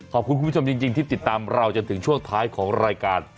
คุณผู้ชมจริงที่ติดตามเราจนถึงช่วงท้ายของรายการ